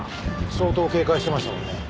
相当警戒してましたもんね。